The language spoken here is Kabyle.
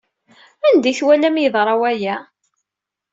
Anda ay twalam yeḍra waya?